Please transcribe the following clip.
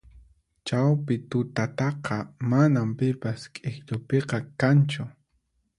Chawpi tutataqa manan pipas k'ikllupiqa kanchu